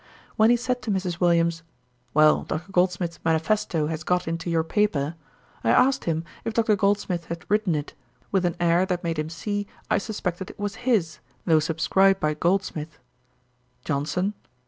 When he said to Mrs. Williams, 'Well, Dr. Goldsmith's manifesto has got into your paper;' I asked him if Dr. Goldsmith had written it, with an air that made him see I suspected it was his, though subscribed by Goldsmith. JOHNSON.